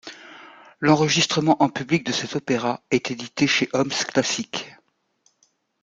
L’enregistrement en public de cet opéra est édité chez OehmsClassics.